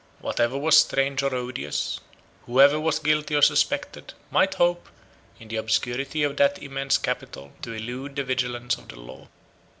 Whatever was strange or odious, whoever was guilty or suspected, might hope, in the obscurity of that immense capital, to elude the vigilance of the law.